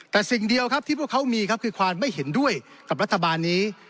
แต่สิ่งเดียวครับที่พวกเขามีครับคือความไม่เห็นด้วยกับรัฐบาลนี้